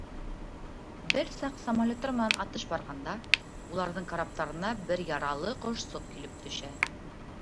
Бер саҡ самолеттар менән атыш барғанда, уларҙың караптарына бер яралы ҡошсоҡ килеп төшә.